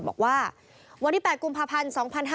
บอกว่าวันที่๘กุมภาพันธ์๒๕๕๙